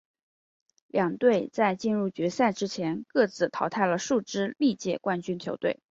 两队在进入决赛之前各自淘汰了数支历届冠军球队。